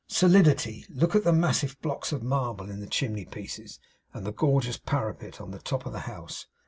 Solidity! Look at the massive blocks of marble in the chimney pieces, and the gorgeous parapet on the top of the house!